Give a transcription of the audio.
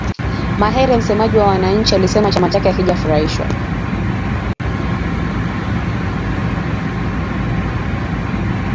Mahere msemaji wa wananchi alisema chama chake hakijafurahishwa